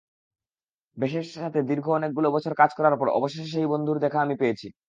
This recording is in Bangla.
ব্যাশের সাথে দীর্ঘ অনেকগুলো বছর কাজ করার পর অবশেষে সেই বন্ধুর দেখা আমি পেয়েছি!